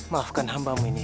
maafkan hambamu ini ya allah